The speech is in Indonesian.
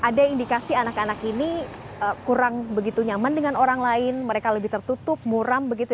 ada indikasi anak anak ini kurang begitu nyaman dengan orang lain mereka lebih tertutup muram begitu